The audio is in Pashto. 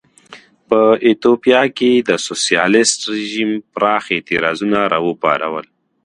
په ایتوپیا کې د سوسیالېست رژیم پراخ اعتراضونه را وپارول.